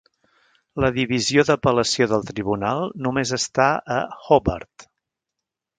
La divisió d'apel·lació del Tribunal només està a Hobart.